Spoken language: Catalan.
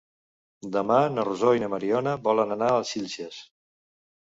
Demà na Rosó i na Mariona volen anar a Xilxes.